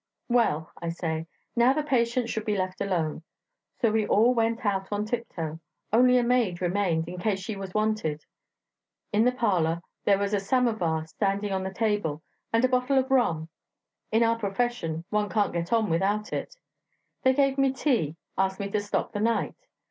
'Well,' I say, 'now the patient should be left alone.' So we all went out on tiptoe; only a maid remained, in case she was wanted. In the parlour there was a samovar standing on the table, and a bottle of rum; in our profession one can't get on without it. They gave me tea; asked me to stop the night...